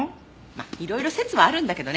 まあいろいろ説はあるんだけどね。